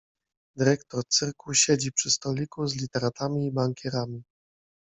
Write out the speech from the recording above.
Dyrektor cyrku siedzi przy stoliku z literatami i bankierami.